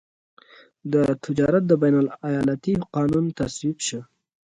د تجارت د بین الایالتي قانون تصویب شو.